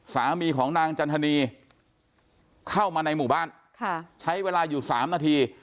สามีของนางจันทนีเข้ามาในหมู่บ้านใช้เวลาอยู่๓นาที